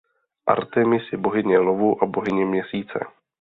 Artemis je bohyně lovu a bohyně Měsíce.